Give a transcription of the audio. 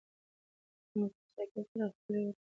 له موټر سایکل سره خولۍ وکاروئ.